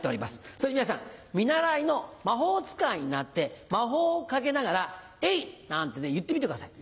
そこで皆さん見習いの魔法使いになって魔法をかけながら「えい！」なんて言ってみてください。